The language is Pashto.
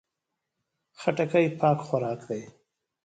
خټکی پاک خوراک دی.